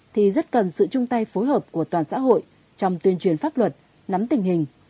thì rất cần sự chung tay phối hợp của toàn xã hội trong tuyên truyền pháp luật nắm tình hình